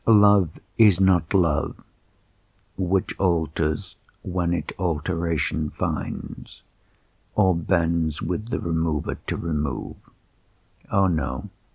Love is not love Which alters when it alteration finds, Or bends with the remover to remove: O no!